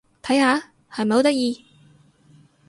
睇下！係咪好得意？